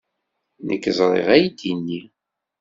Nekk ẓriɣ aydi-nni.